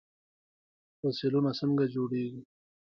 فوسیلونه څنګه جوړیږي؟